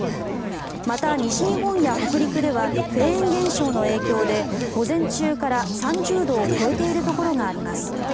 また、西日本や北陸ではフェーン現象の影響で午前中から３０度を超えているところがあります。